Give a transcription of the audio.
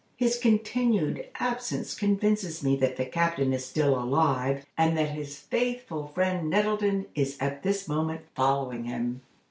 His continued absence convinces me that the captain is still alive, and that his faithful friend Nettleton is at this moment following him.